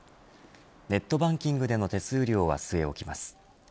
ネットバンキングでの手数料は据え置きます。